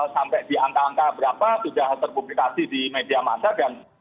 sampai di angka angka berapa sudah terpublikasi di media masa dan